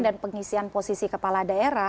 dan pengisian posisi kepala daerah